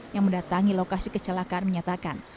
yang mendatangi lokasi kecelakaan menyatakan